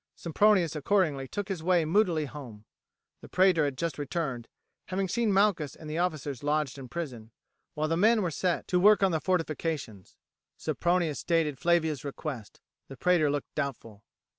Sempronius accordingly took his way moodily home. The praetor had just returned, having seen Malchus and the officers lodged in prison, while the men were set to work on the fortifications. Sempronius stated Flavia's request. The praetor looked doubtful.